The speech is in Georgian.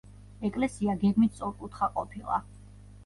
ეკლესია გეგმით სწორკუთხა ყოფილა.